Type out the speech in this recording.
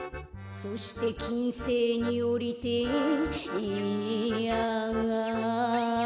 「そしてきんせいにおりてえええんやあ」